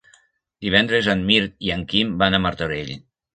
Divendres en Mirt i en Quim van a Martorell.